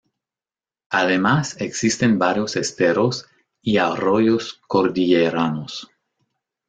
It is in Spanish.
Además existen varios esteros y arroyos cordilleranos.